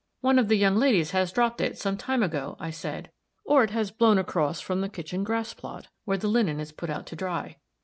"One of the young ladies has dropped it, some time ago," I said, "or it has blown across from the kitchen grass plot, where the linen is put out to dry."